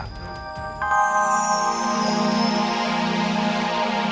kau bisa mencoba